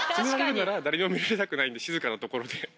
誰でも見られたくないんで、静かな所で。